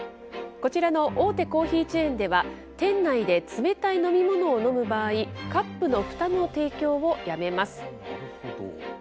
こちらの大手コーヒーチェーンでは、店内で冷たい飲み物を飲む場合、カップのふたの提供をやめます。